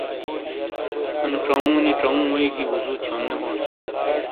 انو چاؤوں نی چاؤوں ووئی گی وضو تھیون نے بونیس۔